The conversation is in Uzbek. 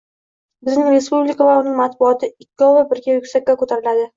«Bizning respublika va uning matbuoti ikkovi birga yuksakka ko‘tariladi